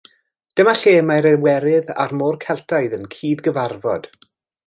Dyma lle mae'r Iwerydd a'r Môr Celtaidd yn cydgyfarfod.